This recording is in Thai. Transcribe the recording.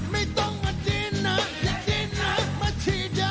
ไม่ต้องมาจีนหนักอย่าจีนหนักมาชีด้า